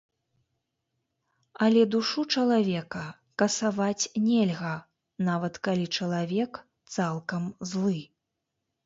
Але душу чалавека касаваць нельга, нават калі чалавек цалкам злы.